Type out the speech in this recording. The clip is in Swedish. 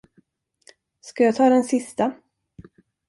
Ska jag ta den sista?